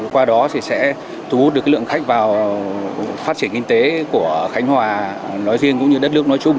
qua đó thì sẽ thu hút được lượng khách vào phát triển kinh tế của khánh hòa nói riêng cũng như đất nước nói chung